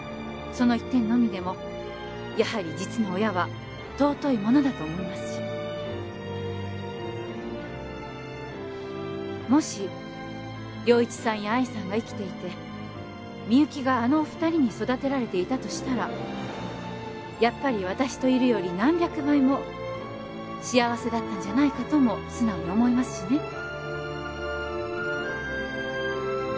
その一点のみでもやはり実の親は尊いものだと思いますしもし良一さんや愛さんが生きていてみゆきがあのお二人に育てられていたとしたらやっぱり私といるより何百倍も幸せだったんじゃないかとも素直に思いますしね